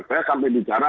saya sampai bicara